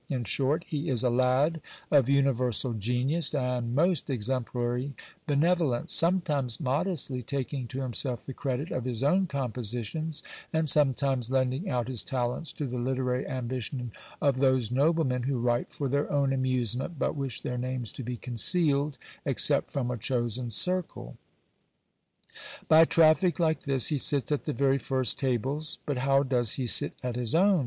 In short, he is a lad of universal genius, and most exemplary benevolence ; sometimes modestly taking to himself the credit of his own compositions, and sometimes lending out his talents to the literary ambition of those noblemen who write for their own amusement, but wish their names to be concealed, except from a chosen circle. By traffic like this he sits at the very first tables. But how does he sit at his own